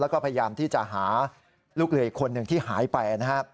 แล้วก็พยายามที่จะหาลูกเรืออีกคนหนึ่งที่หายไปนะครับ